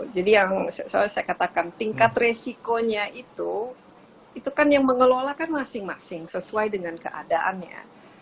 jadi yang saya katakan tingkat resikonya itu itu kan yang mengelolakan masing masing sesuai dengan keadaannya